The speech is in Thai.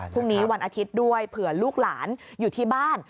พรุ่งนี้วันอาทิตย์ด้วยเผื่อลูกหลานอยู่ที่บ้าน